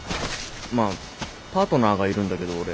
まあパートナーがいるんだけど俺。